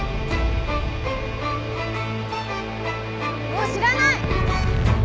もう知らない！